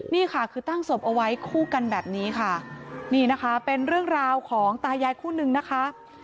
นี่ค่ะคือตั้งศพเอาไว้คู่กันแบบนี้ค่ะนี่นะคะเป็นเรื่องราวของตายายคู่นึงนะคะ